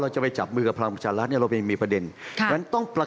เราไม่จับมือกับพลังบัชรัฐเราไม่มีดิวกับลุงป้อม